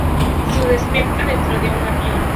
Se despierta dentro de un avión.